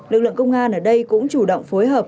lực lượng công an ở đây cũng chủ động phối hợp